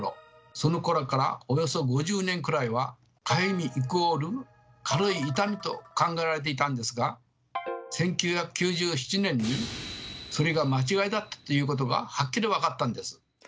そのころからおよそ５０年くらいはかゆみイコール軽い痛みと考えられていたんですが１９９７年にそれが間違いだったということがはっきり分かったんです。